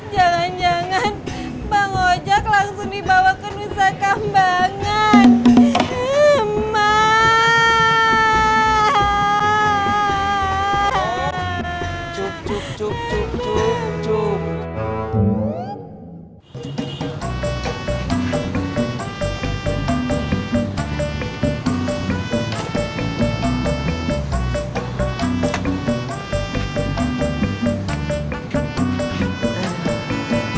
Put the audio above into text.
jangan jangan bang ojak langsung dibawa ke nusakan banget